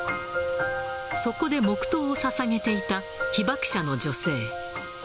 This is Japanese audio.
そこで黙とうをささげていた被爆者の女性。